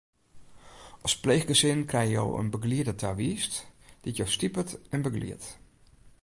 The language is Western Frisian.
As pleechgesin krije jo in begelieder tawiisd dy't jo stipet en begeliedt.